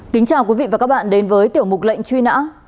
kính chào quý vị và các bạn đến với tiểu mục lệnh truy nã